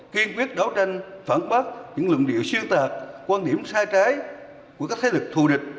kiên quyết đấu tranh phản bác những luận điệu xuyên tạc quan điểm sai trái của các thế lực thù địch